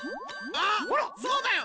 あっそうだよ！